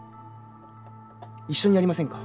一緒にやりませんか？